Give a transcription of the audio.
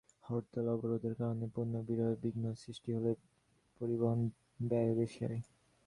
হরতাল-অবরোধের কারণে পণ্য পরিবহনে বিঘ্ন সৃষ্টি হলে পরিবহন ব্যয়ও বেশি হয়।